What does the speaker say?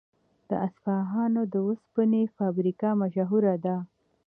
د اصفهان د وسپنې فابریکه مشهوره ده.